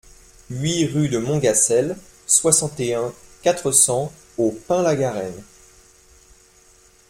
huit rue de Montgacel, soixante et un, quatre cents au Pin-la-Garenne